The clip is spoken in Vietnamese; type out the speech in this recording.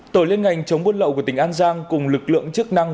tổ liên ngành chống buôn lậu của tỉnh an giang cùng lực lượng chức năng